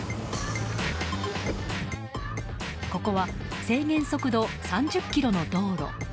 ここは制限速度３０キロの道路。